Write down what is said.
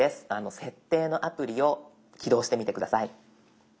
「設定」のアプリを起動してみて下さい。